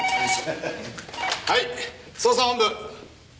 はい捜査本部。